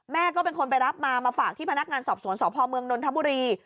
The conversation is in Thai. ก็เป็นคนไปรับมามาฝากที่พนักงานสอบสวนสพเมืองนนทบุรี